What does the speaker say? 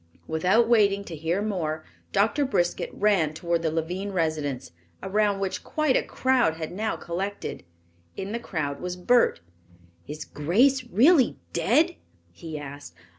Without waiting to hear more, Doctor Briskett ran toward the Lavine residence, around which quite a crowd had now collected. In the crowd was Bert. "Is Grace really dead?" he asked.